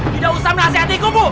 tidak usah menasihati ikut bu